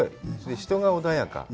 人が穏やか。